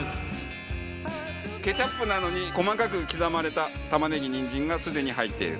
ケチャップなのに細かく刻まれた玉ねぎにんじんがすでに入っていると。